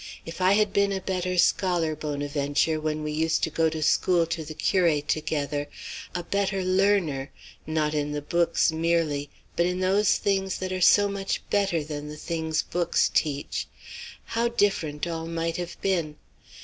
If I had been a better scholar, Bonaventure, when we used to go to school to the curé together a better learner not in the books merely, but in those things that are so much better than the things books teach how different all might have been!